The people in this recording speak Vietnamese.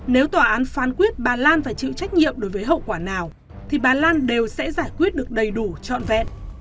nếu tòa án phán quyết bà lan phải chịu trách nhiệm đối với hậu quả nào thì bà lan đều sẽ giải quyết được đầy đủ trọn vẹn